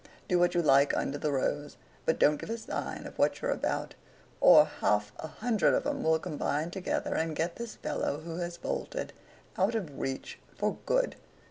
Do what you like under the rose, but don't give a sign of what you're about; or half a hundred of 'em will combine together and get this fellow who has bolted, out of reach for good.